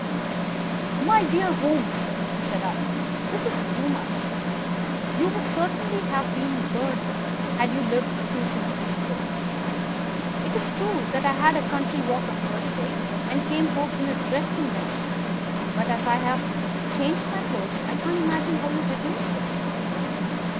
"My dear Holmes," said I, "this is too much. You would certainly have been burned had you lived a few centuries ago. It is true that I had a country walk on Thursday and came home in a dreadful mess; but as I have changed my clothes, I can't imagine how you deduce it.